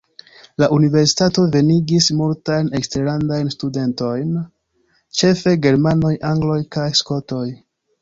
La universitato venigis multajn eksterlandajn studentojn, ĉefe germanoj, angloj kaj skotoj.